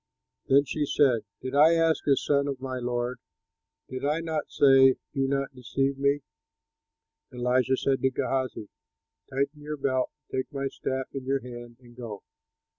Then she said, "Did I ask a son of my lord? Did I not say, 'Do not deceive me?'" Elisha said to Gehazi, "Tighten your belt, take my staff in your hand and go!